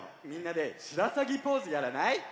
みんなでしらさぎポーズやらない？